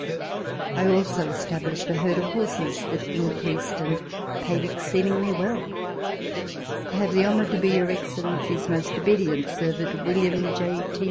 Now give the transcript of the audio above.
I also established a herd of horses, that increased and paid exceedingly well. I have the honour to be, Your Excellency's most obedient servant, WM. J. T.